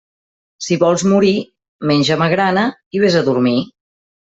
Si vols morir, menja magrana i vés a dormir.